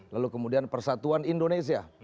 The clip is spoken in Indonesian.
lalu kemudian persatuan indonesia